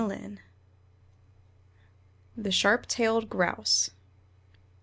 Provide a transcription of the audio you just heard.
] THE SHARP TAILED GROUSE.